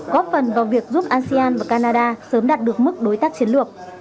góp phần vào việc giúp asean và canada sớm đạt được mức đối tác chiến lược